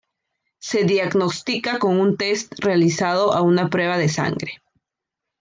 Se diagnóstica con un test realizado a una prueba de sangre.